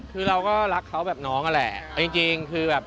คือเราก็รักเขาแบบน้องนั่นแหละเอาจริงคือแบบ